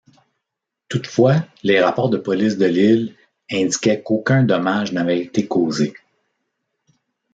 Toutefois, les rapports de police de l'île indiquaient qu'aucun dommage n'avait été causé.